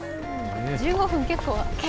１５分、結構。